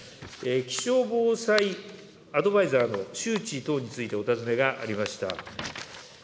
気象防災アドバイザーの周知等についてお尋ねがありました。